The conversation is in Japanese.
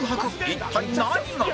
一体何が？